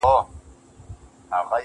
o وړونه مي ټول د ژوند پر بام ناست دي.